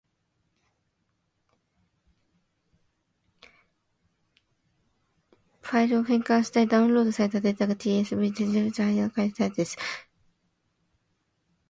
Q.tsv ファイルを csv ファイルに変換したいダウンロードされたデータが tsv で、そのファイルを csv に変換したいです。仕事で使うのですが、コマンドラインまたはバッチファイルで上記を行...